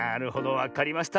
わかりました。